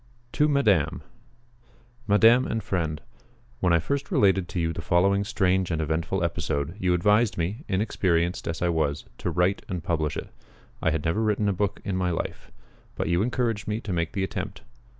TO MADAME MADAME AND FRIEND, When I first related to you the following strange and eventful episode, you advised me, inexperienced as I was, to write and publish it. I had never written a book in my life; but you encouraged me to make the attempt.